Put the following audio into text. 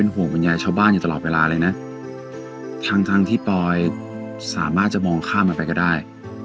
ห่วงบรรยายชาวบ้านอยู่ตลอดเวลาเลยนะทั้งทั้งที่ปอยสามารถจะมองข้ามมันไปก็ได้